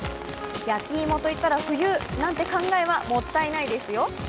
焼き芋といったら、冬なんて考えはもったいないですよ。